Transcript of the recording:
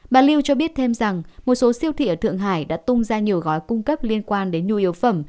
bà lưu cho biết thêm rằng một số siêu thị ở thượng hải đã tung ra nhiều gói cung cấp liên quan đến nhu yếu phẩm